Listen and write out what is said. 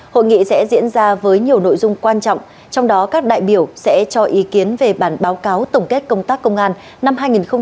hội nghị sẽ diễn ra với nhiều nội dung quan trọng trong đó các đại biểu sẽ cho ý kiến về bản báo cáo tổng kết công tác công an năm hai nghìn hai mươi ba